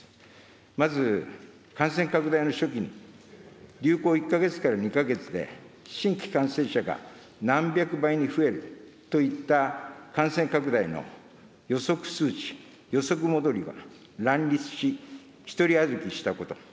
まず、感染拡大の初期に、流行１か月から２か月で新規感染者が何百倍に増えるといった感染拡大の予測数値・予測モデルが乱立し、一人歩きしたこと。